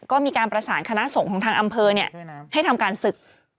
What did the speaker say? ก็มีการประสานคณะสงฆ์ของทางอำเภอให้ทำการศึก